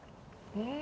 うん？